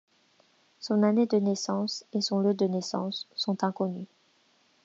Son année de naissance et son lieu de naissance sont inconnus.